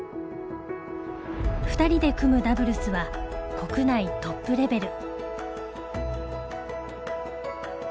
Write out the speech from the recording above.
２人で組むダブルスは国内トップレベル。